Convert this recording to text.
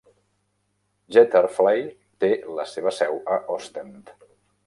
Jetairfly té la seva seu a Ostend.